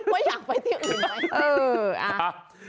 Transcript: ว่าอยากไปที่อื่นไหม